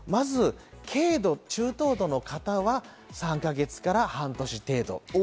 まず軽度、中等度の方は３か月から半年程度。